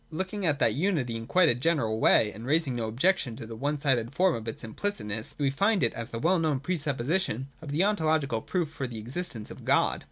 Looking at that unity in a quite general way, and raising no objection to the one sided form of its implicit ness, we find it as the well known pre supposition of the ontological proof for the existence of God.